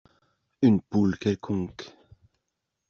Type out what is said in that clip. Une poule quelconque.